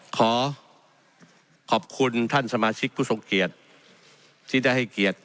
ขอขอบคุณท่านสมาชิกผู้ทรงเกียรติที่ได้ให้เกียรติ